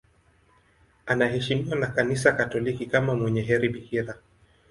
Anaheshimiwa na Kanisa Katoliki kama mwenye heri bikira.